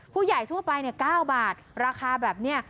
ผู้ใหญ่ทั่วไป๙บาทราคาแบบนี้